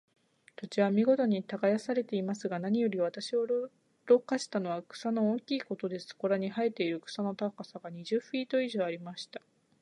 土地は見事に耕されていますが、何より私を驚かしたのは、草の大きいことです。そこらに生えている草の高さが、二十フィート以上ありました。